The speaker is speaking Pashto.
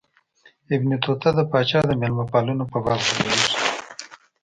ابن بطوطه د پاچا د مېلمه پالنو په باب ږغیږي.